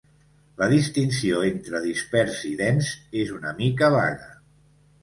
La distinció entre dispers i dens és una mica vaga.